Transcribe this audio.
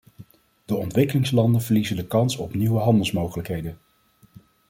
De ontwikkelingslanden verliezen de kans op nieuwe handelsmogelijkheden.